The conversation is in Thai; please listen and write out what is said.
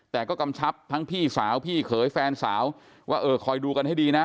แต่ก็กำชับทั้งพี่สาวพี่เขยแฟนสาวว่าเออคอยดูกันให้ดีนะ